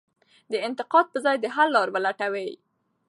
د انتقاد په ځای د حل لار ولټوئ.